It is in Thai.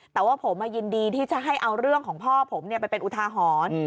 แต่ว่าผมยินดีที่จะให้เอาเรื่องของพ่อผมไปเป็นอุทาหรณ์